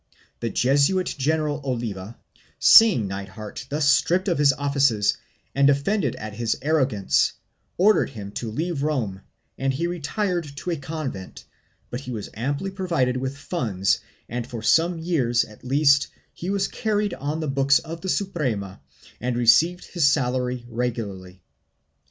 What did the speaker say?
The Jesuit General Oliva, seeing Nithard thus stripped of his offices and offended at his arrogance, ordered him to leave Rome and he retired to a convent, but he was amply provided with funds and, for some years at least, he was carried on the books of the Suprema and received his salary regularly.